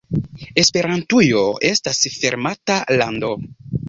Esperantujo estas fermata lando.